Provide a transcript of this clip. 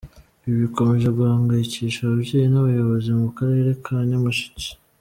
Ibi bikomeje guhangayikisha ababyeyi n’abayobozi mu karere ka Nyamasheke.